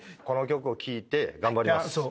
この曲を聴いて頑張ります。